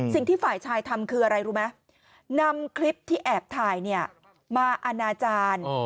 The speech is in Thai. สิ่งที่ฝ่ายชายทำคืออะไรรู้ไหมนำคลิปที่แอบถ่ายเนี่ยมาอนาจารย์